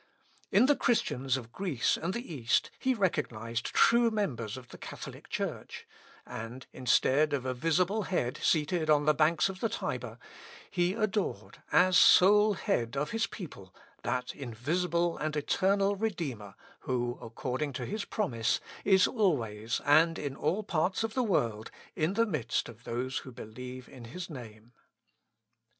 In the Christians of Greece and the East he recognised true members of the Catholic Church; and, instead of a visible head, seated on the banks of the Tiber, he adored, as sole Head of his people, that invisible and eternal Redeemer, who, according to his promise, is always, and in all parts of the world, in the midst of those who believe in his name.